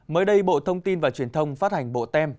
mới đây bộ thông tin và truyền thông phát hành bộ tem